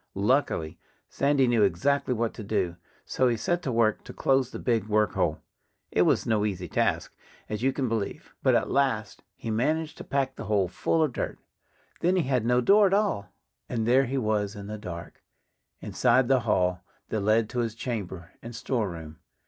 Luckily, Sandy knew exactly what to do. So he set to work to close the big work hole. It was no easy task as you can believe. But at last he managed to pack the hole full of dirt. Then he had no door at all. And there he was in the dark, inside the hall that led to his chamber and storeroom.